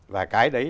và cái đấy